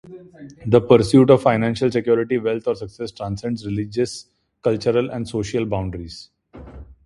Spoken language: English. The pursuit of financial security, wealth, or success transcends religious, cultural, and social boundaries.